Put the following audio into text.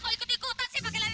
oh coba dikibumin